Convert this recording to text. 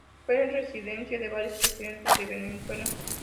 Fue residencia de varios presidentes de Venezuela.